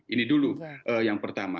ini dulu yang pertama